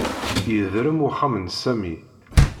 Yedrem uxxam n Sami.